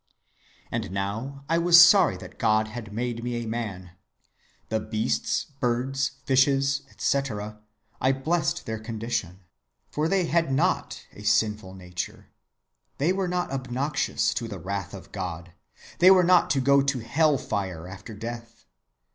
"And now I was sorry that God had made me a man. The beasts, birds, fishes, etc., I blessed their condition, for they had not a sinful nature; they were not obnoxious to the wrath of God; they were not to go to hell‐fire after death.